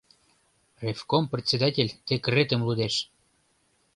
Ревком председатель декретым лудеш.